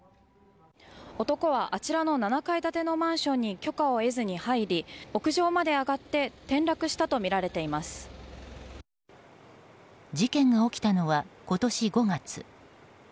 男はあちらの７階建てのマンションに許可を得ずに入り屋上まで上がって事件が起きたのは今年５月。